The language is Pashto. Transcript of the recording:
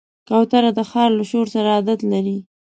کوتره د ښار له شور سره عادت لري.